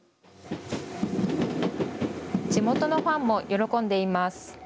地元のファンも喜んでいます。